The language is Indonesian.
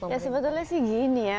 ya sebetulnya sih gini ya